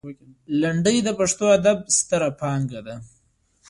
لنډۍ د پښتو ادب ستره پانګه ده.